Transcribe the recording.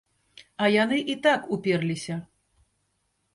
А яны і так уперліся.